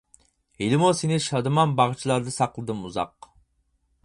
ھېلىمۇ سېنى شادىمان باغچىلاردا ساقلىدىم ئۇزاق.